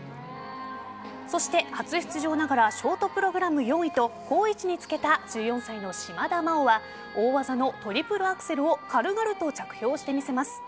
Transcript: そして初出場ながらショートプログラム４位と好位置につけた１４歳の島田麻央は大技のトリプルアクセルを軽々と着氷してみせます。